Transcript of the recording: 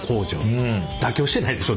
妥協してないでしょ。